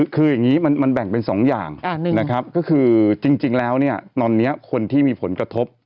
คืออย่างนี้มันแบ่งเป็น๒อย่างนะครับก็คือจริงแล้วเนี่ยตอนนี้คนที่มีผลกระทบ